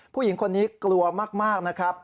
ผู้หญิงคนนี้กลัวมากนะครับ